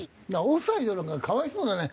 オフサイドなんかかわいそうだよね。